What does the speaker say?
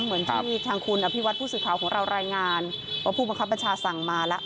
เหมือนที่ทางคุณอภิวัตผู้สื่อข่าวของเรารายงานว่าผู้บังคับบัญชาสั่งมาแล้ว